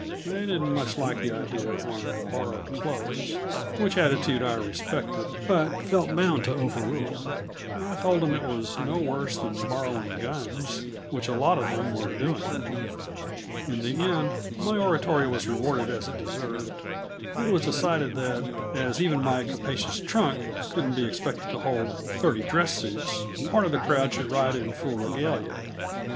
They didn't much like the idea of wearing borrowed clothes which attitude I respected, but felt bound to overrule. I told them it was no worse than borrowing guns, which a lot of them were doing. In the end my oratory was rewarded as it deserved; it was decided that, as even my capacious trunks couldn't be expected to hold thirty dress suits, part of the crowd should ride in full regalia.